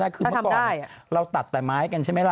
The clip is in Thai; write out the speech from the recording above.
คือเมื่อก่อนเราตัดแต่ไม้กันใช่ไหมล่ะ